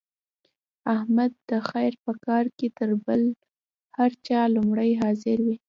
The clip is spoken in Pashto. احمد د خیر په کار کې تر بل هر چا لومړی حاضر وي.